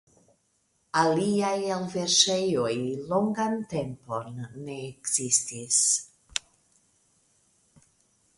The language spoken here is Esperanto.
Aliaj elverŝejoj longan tempon ne ekzsits.